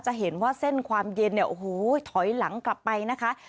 จะเห็นว่าเส้นความเย็นเนี่ยโอ้โหถอยหลังกลับไปนะคะ